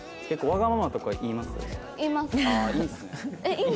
わがままとか言います？